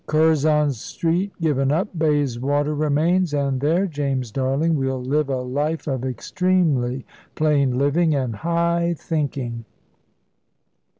Curzon Street given up, Bayswater remains, and there, James darling, we'll live a life of extremely plain living and high thinking."